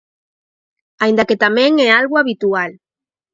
Aínda que tamén é algo habitual.